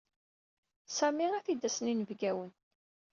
Sami ad t-id-asen yinebgawen.